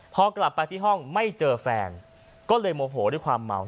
พอกลับไปที่ห้องไม่เจอแฟนก็เลยโมโหด้วยความเมา